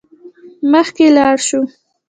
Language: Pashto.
مخکې لاړ شو.